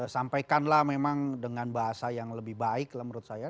sampaikanlah memang dengan bahasa yang lebih baik lah menurut saya